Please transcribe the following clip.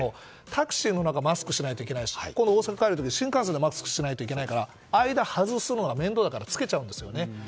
タクシーの中はマスクをしないといけないし大阪に帰る時に新幹線でもマスクをしないといけないから間で外すのが面倒だから着けちゃうんですよね。